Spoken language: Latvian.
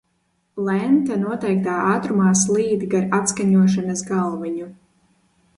Lente noteiktā ātrumā slīd gar atskaņošanas galviņu.